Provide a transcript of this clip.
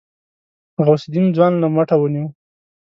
غوث الدين ځوان له مټه ونيو.